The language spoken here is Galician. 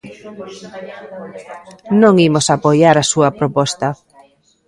Non imos apoiar a súa proposta.